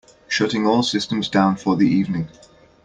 Shutting all systems down for the evening.